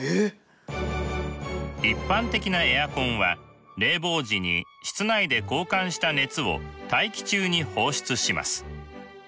一般的なエアコンは冷房時に室内で交換した熱を大気中に放出します。